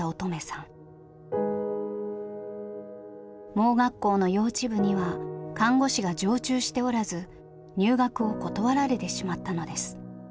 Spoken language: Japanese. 盲学校の幼稚部には看護師が常駐しておらず入学を断られてしまったのです。